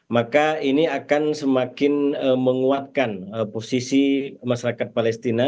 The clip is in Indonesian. maka ini akan semakin menguatkan posisi masyarakat palestina